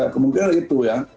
kemungkinan itu ya